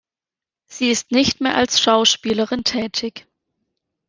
Sie ist nicht mehr als Schauspielerin tätig.